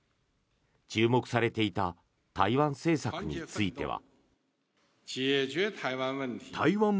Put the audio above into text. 注目されていた台湾政策については。